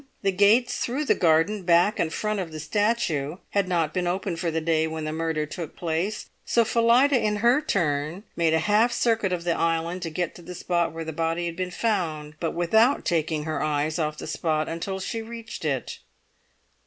The gates through the garden, back and front of the statue, had not been opened for the day when the murder took place, so Phillida in her turn made a half circuit of the island to get to the spot where the body had been found, but without taking her eyes off the spot until she reached it.